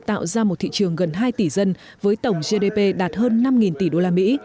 tạo ra một thị trường gần hai tỷ dân với tổng gdp đạt hơn năm tỷ usd